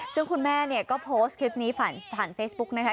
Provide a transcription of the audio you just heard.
ซึ่งคุณแม่ก็โพสต์คลิปนี้ฝั่นเฟซบุ๊กนะคะ